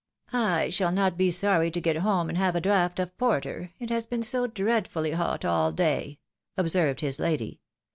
"/ shall not be sorry to get home and have a draught of porter, it has been so dreadfully hot all day," observed his lady.